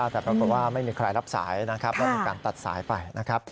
แต่ปรากฏว่าไม่มีใครรับสายแล้วมีการตัดสายไป